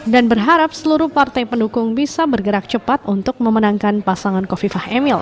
dan berharap seluruh partai pendukung bisa bergerak cepat untuk memenangkan pasangan kofifah emil